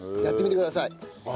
やってみてください。